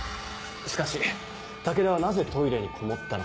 しかし武田はなぜトイレにこもったのか。